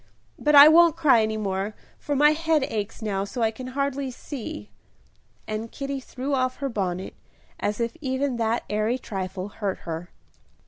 But I won't cry any more, for my head aches now so I can hardly see." And Kitty threw off her bonnet, as if even that airy trifle hurt her.